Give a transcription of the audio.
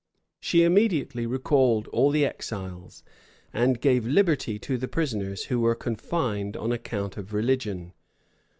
She immediately recalled all the exiles, and gave liberty to the prisoners who were confined on account of religion.